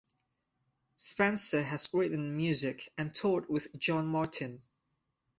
Spencer has written music and toured with John Martyn.